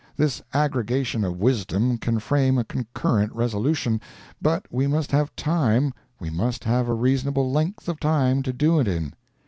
This Aggregation of Wisdom can frame a concurrent resolution, but we must have time we must have a reasonable length of time to do it in.